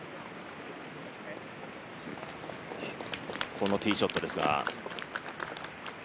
このティーショットですが。